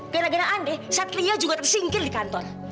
gara gara andre satria juga tersingkir di kantor